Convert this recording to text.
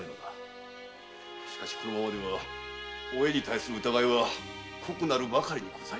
しかしこのままではお栄に対する疑いは濃くなるばかりです。